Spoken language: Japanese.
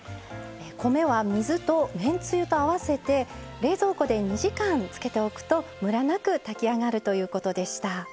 米は水とめんつゆと合わせて冷蔵庫で２時間つけておくとムラなく炊き上がるということでした。